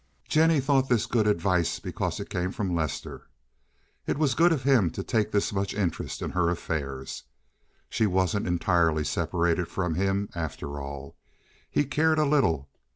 Jennie thought this good advice because it came from Lester. It was good of him to take this much interest in her affairs. She wasn't entirely separated from him after all. He cared a little.